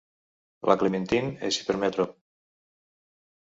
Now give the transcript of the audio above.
La Clementine és hipermetrop.